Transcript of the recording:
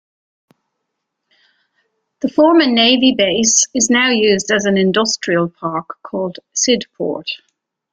The former navy base is now used as an industrial park called Sydport.